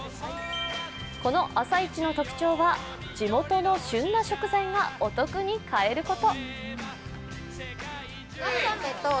この朝市の特徴は、地元の旬な食材がお得に買えること。